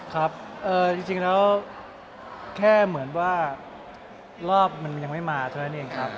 ครับจริงแล้วแค่เหมือนว่ารอบมันยังไม่มาเท่านั้นเองครับ